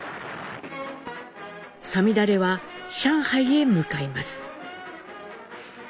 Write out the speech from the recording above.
五月雨は上海へ向かいます。